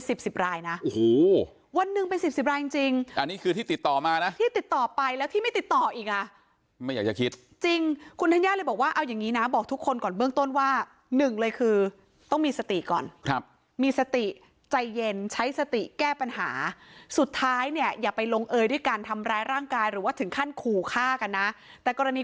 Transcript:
สิบสิบรายนะโอ้โหวันหนึ่งเป็นสิบสิบรายจริงจริงอันนี้คือที่ติดต่อมานะที่ติดต่อไปแล้วที่ไม่ติดต่ออีกอ่ะไม่อยากจะคิดจริงคุณธัญญาเลยบอกว่าเอาอย่างงี้นะบอกทุกคนก่อนเบื้องต้นว่าหนึ่งเลยคือต้องมีสติก่อนครับมีสติใจเย็นใช้สติแก้ปัญหาสุดท้ายเนี่ยอย่าไปลงเอยด้วยการทำร้ายร่างกายหรือว่าถึงขั้นขู่ฆ่ากันนะแต่กรณี